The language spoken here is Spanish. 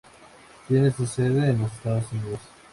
Tiene su sede en los Estados Unidos.